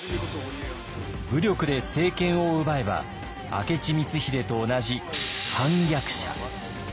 武力で政権を奪えば明智光秀と同じ反逆者。